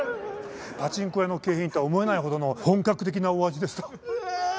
パチンコ屋の景品とは思えないほどの本格的なお味でした。